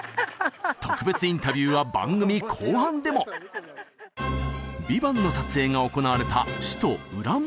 特別インタビューは番組後半でも「ＶＩＶＡＮＴ」の撮影が行われた